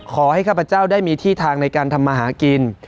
ขอให้ข้าพเจ้าได้มีที่ทางในการธรรมหากิน